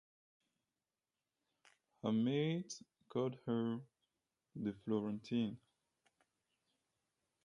Her maids called her "the Florentine".